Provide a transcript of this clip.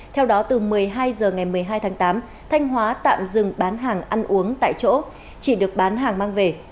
theo đó từ một mươi hai h ngày một mươi hai tháng tám thanh hóa tạm dừng bán hàng ăn uống tại chỗ chỉ được bán hàng mang về